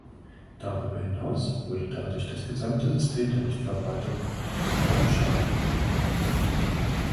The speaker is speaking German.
Darüber hinaus würde dadurch das gesamte System der Nichtverbreitung enormen Schaden nehmen.